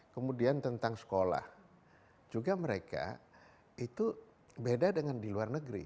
kemudian tentang sekolah juga mereka itu beda dengan di luar negeri